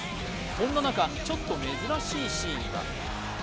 そんな中、ちょっと珍しいシーンが。